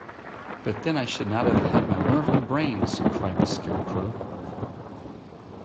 But then I should not have had my wonderful brains! cried the Scarecrow.